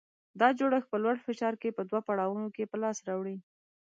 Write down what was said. دا جوړښت په لوړ فشار کې په دوه پړاوونو کې په لاس راوړي.